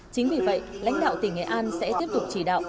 chính vì vậy lãnh đạo tỉnh nghệ an sẽ tiếp tục chỉ đạo